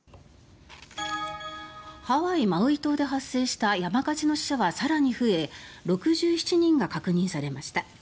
ハワイ・マウイ島で発生した山火事の死者は更に増え６７人が確認されました。